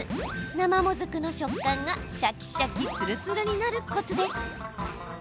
生もずくの食感がシャキシャキつるつるになるコツです。